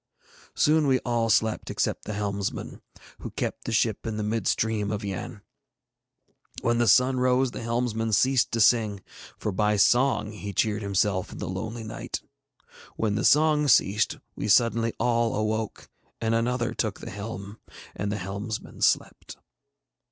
Soon we all slept except the helmsman, who kept the ship in the mid stream of Yann. When the sun rose the helmsman ceased to sing, for by song he cheered himself in the lonely night. When the song ceased we suddenly all awoke, and another took the helm, and the helmsman slept.